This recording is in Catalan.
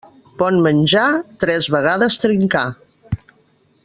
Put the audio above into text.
Bon menjar, tres vegades trincar.